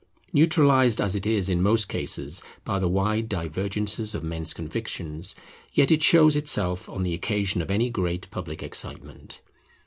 Neutralized as it is in most cases by the wide divergences of men's convictions, yet it shows itself on the occasion of any great public excitement.